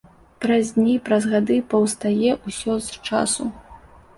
Праз дні, праз гады паўстае ўсё з часу!